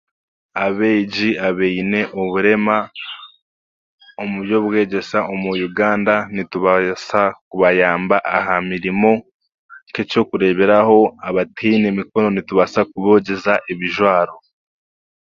Abeegi abaine oburema omu by'obwegyesa omu Uganda nitubaasa kubayamba aha mirimu, nk'ekyokureberaho abataine mikono nitubaasa kubogyeza ebijwaro.